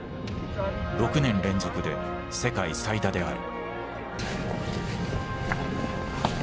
６年連続で世界最多である。